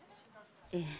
ええ。